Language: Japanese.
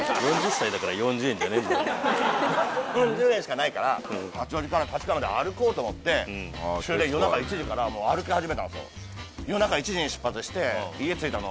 ４０円しかないから八王子から立川まで歩こうと思って夜中１時から歩き始めたんですよ。